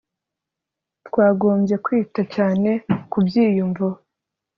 twagombye kwita cyane ku byiyumvo